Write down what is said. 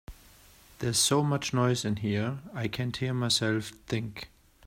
There is so much noise in here, I can't hear myself think.